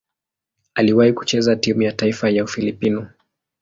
Aliwahi kucheza timu ya taifa ya Ufilipino.